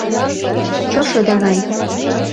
Чошо давай!!!